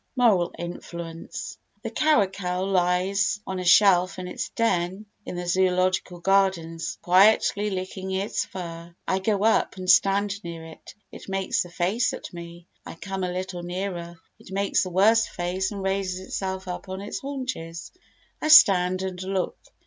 Moral Influence The caracal lies on a shelf in its den in the Zoological Gardens quietly licking its fur. I go up and stand near it. It makes a face at me. I come a little nearer. It makes a worse face and raises itself up on its haunches. I stand and look.